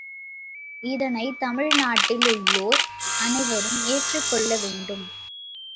இதனைத் தமிழ் நாட்டில் உள்ளோர் அனைவரும் ஏற்றுக் கொள்ள வேண்டும்.